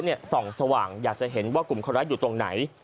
เพื่อเอาผู้ส่องสว่างอยากจะเห็นว่ากลุ่มคนร้ายอยู่ตรงไหน